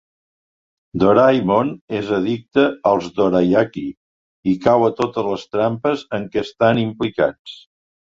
Doraemon és addicte als "dorayaki" i cau a totes les trampes en què estan implicats.